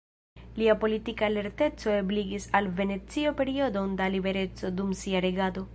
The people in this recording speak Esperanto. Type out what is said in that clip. Lia politika lerteco ebligis al Venecio periodon da libereco dum sia regado.